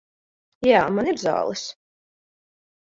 Jā, man ir zāles.